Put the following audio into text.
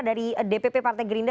dari dpp partai gerinda